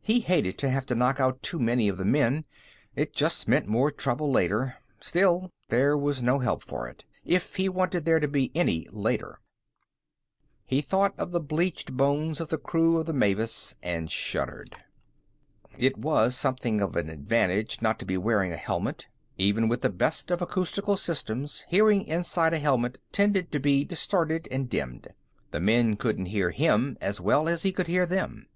He hated to have to knock out too many of the men; it just meant more trouble later. Still, there was no help for it, if he wanted there to be any later. He thought of the bleached bones of the crew of the Mavis, and shuddered. It was something of an advantage not to be wearing a helmet. Even with the best of acoustical systems, hearing inside a helmet tended to be distorted and dimmed. The men couldn't hear him as well as he could hear them.